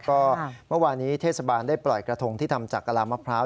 ก็เมื่อวานี้เทศบาลได้ปล่อยกระทงที่ทำจากกะลามะพร้าว